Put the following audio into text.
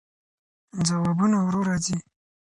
ځوابونه ورو راځي.